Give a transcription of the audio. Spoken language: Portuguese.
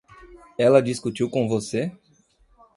Ela discutiu com você?